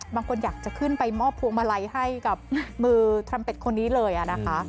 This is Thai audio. บางคนอยากจะขึ้นไปมอบพวงมาลัยให้กับมือทำเป็ดคนนี้เลยนะคะ